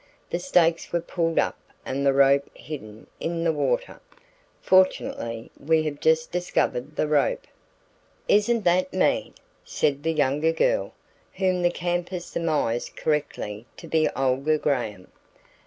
The stakes were pulled up and the rope hidden in the water. Fortunately we have just discovered the rope." "Isn't that mean!" said the younger girl, whom the campers surmised correctly to be Olga Graham.